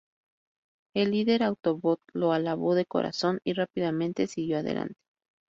El líder Autobot lo alabó de corazón, y rápidamente siguió adelante.